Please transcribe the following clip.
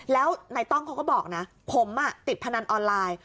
แล้วนายต้องเขาก็บอกนะผมติดพนันออนไลน์